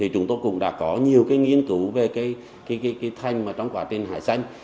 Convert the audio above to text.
chúng tôi cũng đã có nhiều cái nghiên cứu về cái thanh mà trong quả trên hải xanh